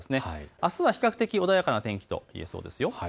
あすは比較的、穏やかな天気といえそうです。